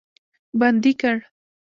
بندي کړ.